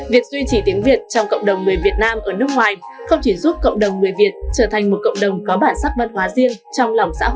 việc duy trì tiếng việt trong cộng đồng người việt nam ở nước ngoài không chỉ giúp cộng đồng người việt trở thành một cộng đồng có bản sắc văn hóa riêng trong lòng xã hội